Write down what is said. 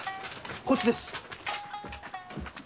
こっちです。